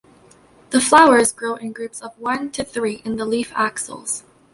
The flowers grow in groups of one to three in the leaf axils.